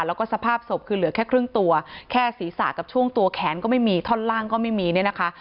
แล้วก็สภาพศพคือเหลือแค่ครึ่งตัวแค่ศีรษะกับช่วงตัวแขนก็ไม่มีท่อนล่างก็ไม่มีเนี่ยนะคะ